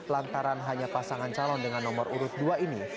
lantaran hanya pasangan calon dengan nomor urut dua ini